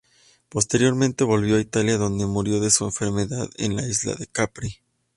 Posteriormente volvió a Italia donde murió de su enfermedad en la isla de Capri.